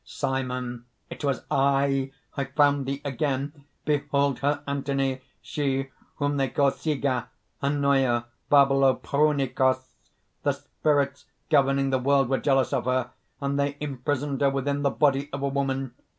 SIMON. "It was I! I found thee again! "Behold her, Anthony, she whom they call Sigeh, Ennoia, Barbelo, Prounikos! The Spirits governing the world were jealous of her; and they imprisoned her within the body of a woman.